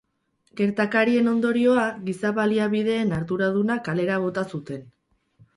Gertakarien ondorioa, giza baliabideen arduraduna kalera bota zuten.